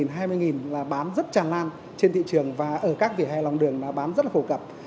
bảo hiểm là bán rất tràn lan trên thị trường và ở các vỉa hè lòng đường là bán rất là phổ cập